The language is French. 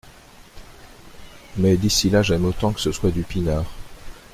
mais d’ici là j’aime autant que ce soit du pinard.